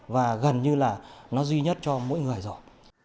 và gần như là nó duy nhất cho mỗi người rồi